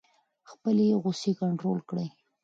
خپلې غصې کنټرول کړئ.